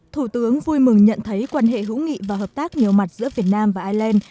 thủ tướng vui mừng nhận thấy quan hệ hữu nghị và hợp tác nhiều mặt giữa việt nam và ireland